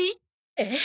えっ？